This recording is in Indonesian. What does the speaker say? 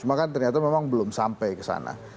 cuma kan ternyata memang belum sampai ke sana